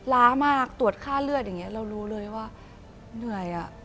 ล้ามากตรวจค่าเลือดอย่างนี้เรารู้เลยว่าเหนื่อย